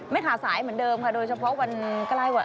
ไม่ขาดสายเหมือนเดิมค่ะโดยเฉพาะวันที่สามสิบเอ็ด